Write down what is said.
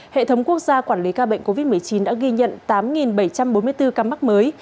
hệ thống quốc gia quản lý ca bệnh covid một mươi chín đã ghi nhận tám bảy trăm bốn mươi bốn ca mắc mới